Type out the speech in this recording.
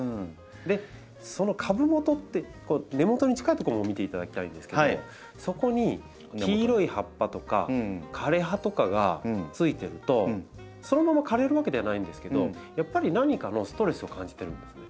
その株元って根元に近いとこも見ていただきたいんですけどもそこに黄色い葉っぱとか枯れ葉とかがついてるとそのまま枯れるわけではないんですけどやっぱり何かのストレスを感じてるんですね。